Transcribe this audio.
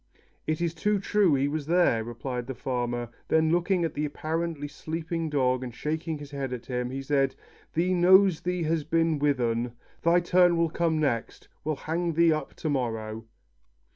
"It is too true, he was there," replied the farmer; then looking at the apparently sleeping dog, and shaking his head at him, he said, "Thee knows thee has been with un. Thy turn will come next. We'll hang thee up to morrow."